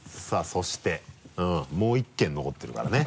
そしてもう１件残ってるからね。